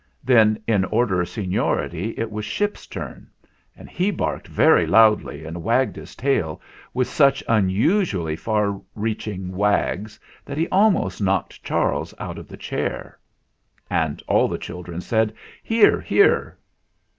Then, in order of seniority, it was Ship's turn, and he barked very loudly and THE MEETING 87 wagged his tail, with such unusually far reaching wags, that he almost knocked Charles out of the chair. And all the children said : "Hear, hear